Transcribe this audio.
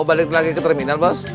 mau balik lagi ke terminal bos